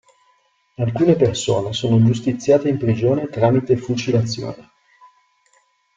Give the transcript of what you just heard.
Alcune persone sono giustiziate in prigione tramite fucilazione.